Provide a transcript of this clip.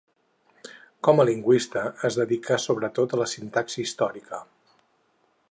Com a lingüista es dedicà sobretot a la sintaxi històrica.